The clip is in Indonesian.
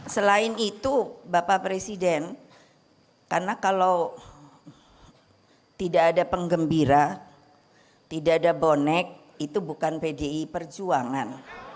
selain itu bapak presiden karena kalau tidak ada penggembira tidak ada bonek itu bukan pdi perjuangan